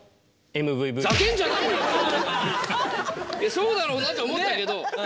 そうだろうなとは思ったけど。